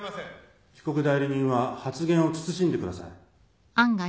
被告代理人は発言を慎んでください。